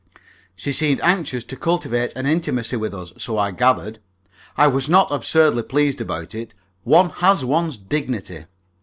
She seemed anxious to cultivate an intimacy with us, so I gathered. I was not absurdly pleased about it. One has one's dignity.